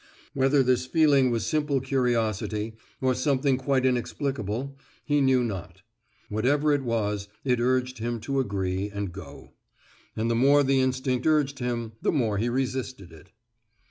Whether this feeling was simple curiosity, or something quite inexplicable, he knew not. Whatever it was it urged him to agree, and go. And the more the instinct urged him, the more he resisted it.